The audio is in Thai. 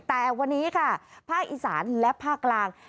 แต่วันนี้ค่ะภาคอีสานและภาคกลาง